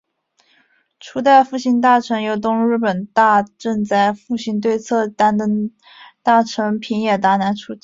初代复兴大臣由东日本大震灾复兴对策担当大臣平野达男出任。